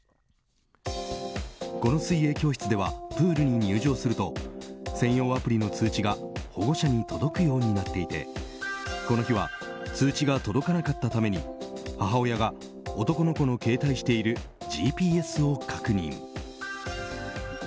この水泳教室ではプールに入場すると専用アプリの通知が保護者に届くようになっていてこの日は通知が届かなかったために母親が男の子の携帯しているＧＰＳを確認。